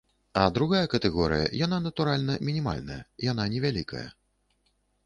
А другая катэгорыя, яна, натуральна, мінімальная, яна невялікая.